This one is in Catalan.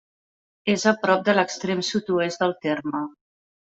És a prop de l'extrem sud-oest del terme.